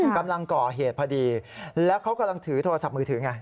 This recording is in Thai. กำลังก่อเหตุพอดีแล้วเขากำลังถือโทรศัพท์มือถือไง